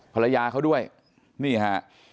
ภรรยาเขาด้วยนี่ฮะ